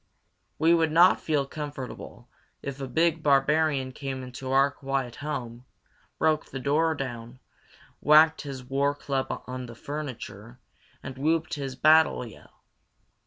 We would not feel comfortable if a big barbarian came into our quiet home, broke the door down, whacked his war club on the furniture, and whooped his battle yell.